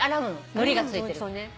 のりが付いてる。